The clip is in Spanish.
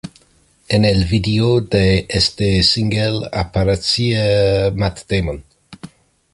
En el video de este single aparecía Matt Damon.